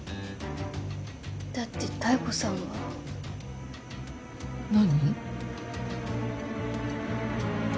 だって妙子さんは。何？